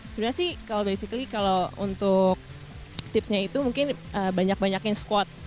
sebenarnya sih kalau basically kalau untuk tipsnya itu mungkin banyak banyakin squat